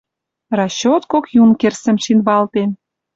Расчёт кок «юнкерсӹм» шин валтен.